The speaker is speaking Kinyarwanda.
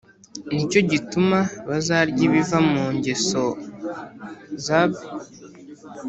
Ni cyo gituma bazarya ibiva mu ngeso zab